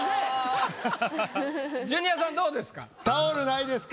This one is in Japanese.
ジュニアさんどうですか？